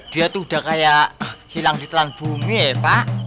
dia tuh udah kayak hilang di telan bumi ya pak